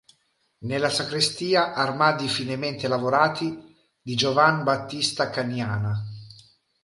Nella sacrestia armadi finemente lavorati di Giovan Battista Caniana.